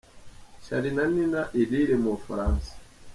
Charly na Nina i Lille mu Bufaransa.